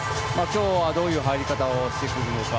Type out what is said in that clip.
今日はどういう入り方をしてくるか